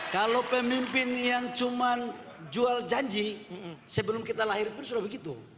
kalau pemimpin yang cuma jual janji sebelum kita lahir pun sudah begitu